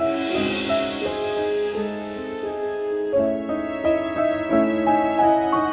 aku mau ke rumah